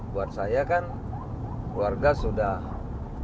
buat saya kan keluarga sudah politik